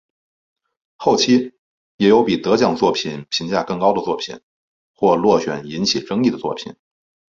后期也有比得奖作品评价更高的作品或落选引起争议的作品。